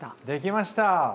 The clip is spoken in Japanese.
できました！